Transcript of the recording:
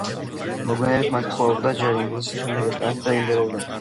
მოგვიანებით მათ ფლობდა ჯერ ინგლისი, შემდეგ ესპანეთი და ნიდერლანდები.